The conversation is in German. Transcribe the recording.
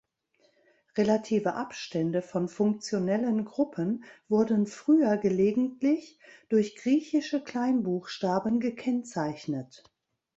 Relative Abstände von funktionellen Gruppen wurden früher gelegentlich durch griechische Kleinbuchstaben gekennzeichnet.